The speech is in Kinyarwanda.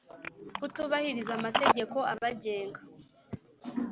kutubahiriza amategeko abagenga